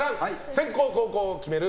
先攻・後攻を決める